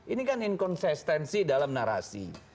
ini kan inkonsistensi dalam narasi